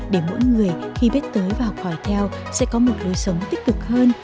để mỗi người khi biết tới và học hỏi theo sẽ có một lối sống tích cực hơn